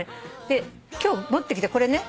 で今日持ってきたこれね。